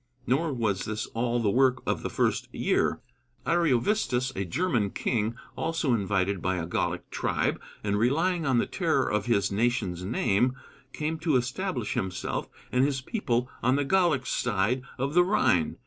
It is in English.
Nor was this all the work of the first year. Ariovistus, a German king, also invited by a Gallic tribe, and relying on the terror of his nation's name, came to establish himself and his people on the Gallic side of the Rhine.